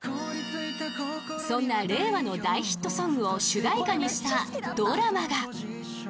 ［そんな令和の大ヒットソングを主題歌にしたドラマが］